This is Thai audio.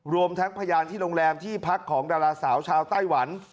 รวมทั้งพยานที่โรงแรมที่พักของดาราสาวชาวไต้หวัน